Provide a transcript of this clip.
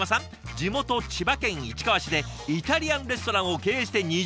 地元千葉県市川市でイタリアンレストランを経営して２０年以上。